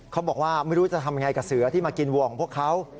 เขาบอกว่าไม่รู้จะทำยังไงกับเสือที่มากินวัวของพวกเขา